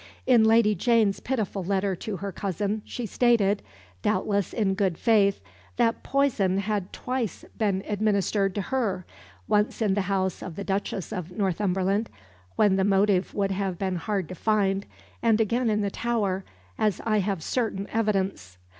In Lady Jane's pitiful letter to her cousin she stated doubtless in good faith that poison had twice been administered to her, once in the house of the Duchess of Northumberland when the motive would have been hard to find and again in the Tower, "as I have certain evidence."